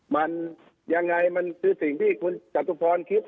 มันยังไงมันคือสิ่งที่คุณจตุพรคิด